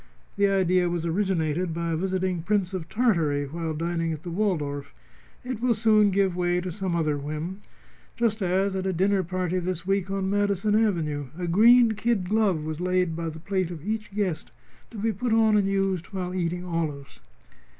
The idea was originated by a visiting Prince of Tartary while dining at the Waldorf. It will soon give way to some other whim. Just as at a dinner party this week on Madison Avenue a green kid glove was laid by the plate of each guest to be put on and used while eating olives."